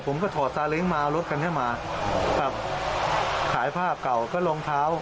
ผมก็ถอดซาเล้งมารถวันกันให้มาครับผ้าก่อก็รองเท้า